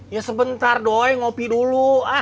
ya sebentar doi ngopi dulu ah